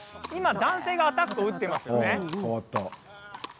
男性がアタックを打っていますよね。